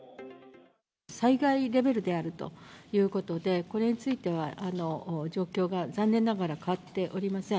災害レベルであるということで、これについては、状況が残念ながら、変わっておりません。